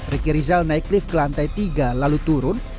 riki rizal naik lift ke lantai tiga lalu turun